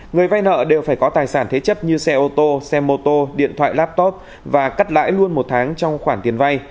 người vay nợ đều phải có tài sản thế chấp như xe ô tô xe mô tô điện thoại laptop và cắt lãi luôn một tháng trong khoản tiền vay